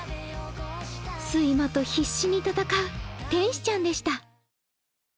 睡魔と必死に戦う天使ちゃんでした。